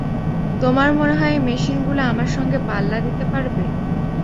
তোমার মনে হয় এই মেশিনগুলো আমার সঙ্গে পাল্লা দিতে পারবে?